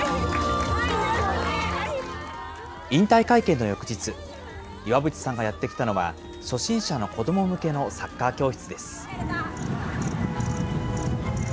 引退会見の翌日、岩渕さんがやって来たのは、初心者の子ども向けのサッカー教室です。